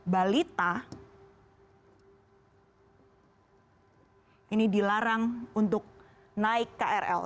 balita ini dilarang untuk naik krl